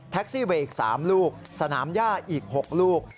ซี่เวย์อีก๓ลูกสนามย่าอีก๖ลูก